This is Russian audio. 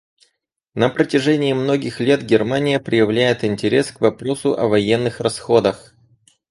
На протяжении многих лет Германия проявляет интерес к вопросу о военных расходах.